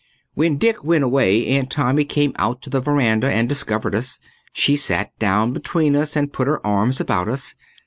When Dick went away Aunt Tommy came out to the verandah and discovered us. She sat down between us and put her arms about us.